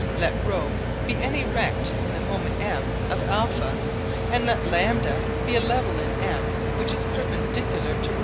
Let ρ be any rect in the moment M of α and let λ be a level in M which is perpendicular to ρ.